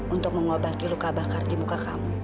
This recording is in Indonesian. untuk mengobati luka bakar di muka kamu